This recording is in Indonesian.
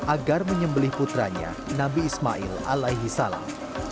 agar menyembelih putranya nabi ismail alaihi salam